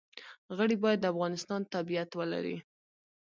غړي باید د افغانستان تابعیت ولري.